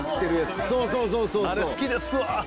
あれ好きですわ。